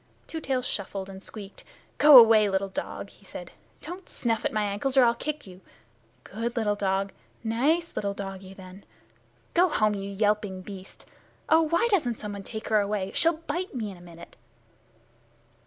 Two Tails shuffled and squeaked. "Go away, little dog!" he said. "Don't snuff at my ankles, or I'll kick at you. Good little dog nice little doggie, then! Go home, you yelping little beast! Oh, why doesn't someone take her away? She'll bite me in a minute."